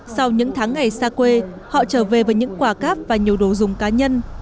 sau những tháng ngày xa quê họ trở về với những quả cáp và nhiều đồ dùng cá nhân